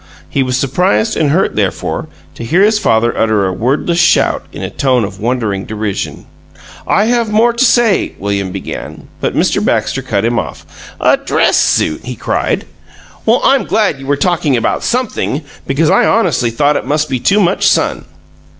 He was surprised and hurt, therefore, to hear his father utter a wordless shout in a tone of wondering derision. "I have more to say " William began. But Mr. Baxter cut him off. "A dress suit!" he cried. "Well, I'm glad you were talking about SOMETHING, because I honestly thought it must be too much sun!"